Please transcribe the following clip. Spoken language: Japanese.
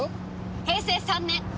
平成３年。